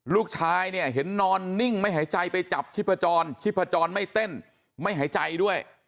ลูกชายเนี่ยเห็นนอนนิ่งไม่หายใจไปจับชีพจรชิพจรไม่เต้นไม่หายใจด้วย